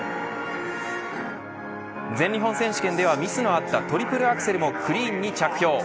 全日本選手権ではミスのあったトリプルアクセルもクリーンに着氷。